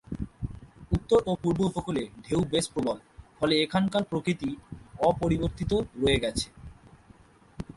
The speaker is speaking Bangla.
উত্তর ও পূর্ব উপকূলে ঢেউ বেশ প্রবল, ফলে এখানকার প্রকৃতি অপরিবর্তিত রয়ে গেছে।